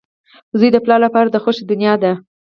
• زوی د پلار لپاره د خوښۍ دنیا ده.